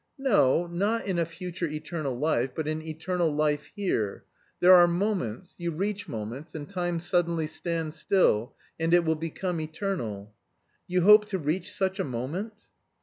"No, not in a future eternal life, but in eternal life here. There are moments, you reach moments, and time suddenly stands still, and it will become eternal." "You hope to reach such a moment?"